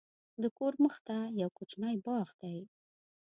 د کور مخته یو کوچنی باغ دی.